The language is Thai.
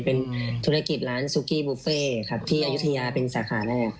เป็นธุรกิจร้านซูกี้บุฟเฟ่ครับที่อายุทยาเป็นสาขาแรก